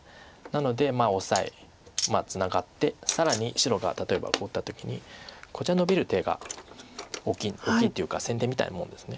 なのでオサエツナがって更に白が例えばこう打った時にこちらにノビる手が大きい大きいというか先手みたいなもんです。